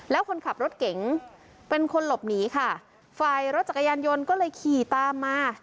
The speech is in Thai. แล้วคนขับรถเก๋งเป็นคนหลบหนีค่ะฝ่ายรถจักรยานยนต์ก็เลยขี่ตามมา